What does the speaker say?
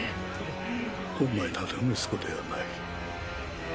お前など息子ではない